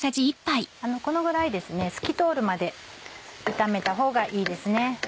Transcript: このぐらい透き通るまで炒めたほうがいいですね。